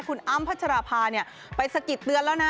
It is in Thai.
คุณอ้ำพัชราภาไปสะกิดเตือนแล้วนะ